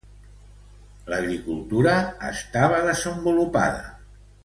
L'agricultura estava desenvolupada.